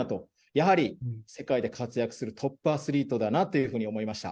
やはり世界で活躍するトップアスリートだなというふうに思いました。